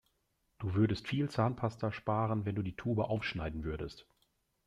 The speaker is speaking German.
Du würdest viel Zahnpasta sparen, wenn du die Tube aufschneiden würdest.